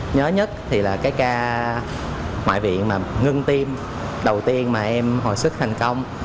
nhớ nhất thì là cái ca ngoại viện mà ngưng tim đầu tiên mà em hồi sức thành công